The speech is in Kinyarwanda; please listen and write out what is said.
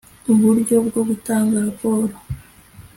Uburyo bwo gutanga raporo .